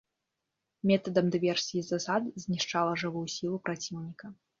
Метадам дыверсій і засад знішчала жывую сілу праціўніка.